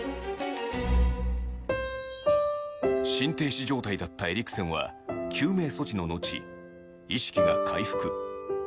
心停止状態だったエリクセンは救命措置ののち意識が回復。